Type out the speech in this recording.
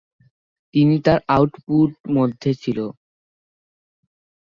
তিনি তার আউটপুট মধ্যে ছিল।